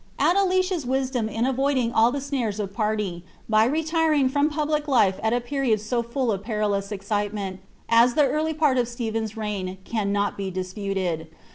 Addicia'a ni&doo) iu avoiding all the snares of party, by retiring from pttblic Ufa at a period so full of perilous excitement as the early part of Strphen's reign, cannot be disputed.